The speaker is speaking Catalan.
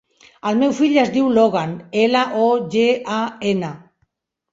El meu fill es diu Logan: ela, o, ge, a, ena.